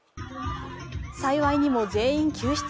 幸いにも全員救出。